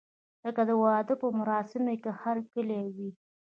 لکه د واده په مراسمو کې هرکلی وي.